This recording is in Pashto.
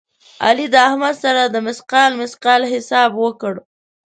علي د احمد سره د مثقال مثقال حساب وکړ.